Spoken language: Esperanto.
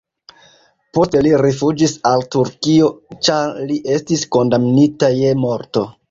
Poste li rifuĝis al Turkio, ĉar li estis kondamnita je morto.